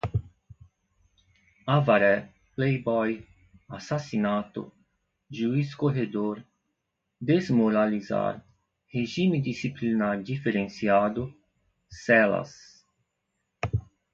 Avaré, Playboy, assassinato, juiz-corregedor, desmoralizar, regime disciplinar diferenciado, celas